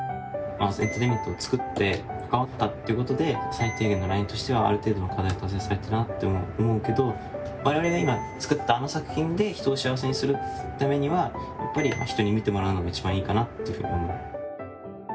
エンターテインメントを作って関わったっていうことで最低限のラインとしてはある程度の課題は達成されたなって思うけど我々が今作ったあの作品で人を幸せにするためにはやっぱり人に見てもらうのが一番いいかなっていうふうに思う。